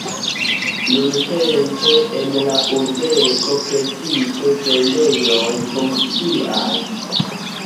Nuntempe en la urbego precipe vendejoj funkcias.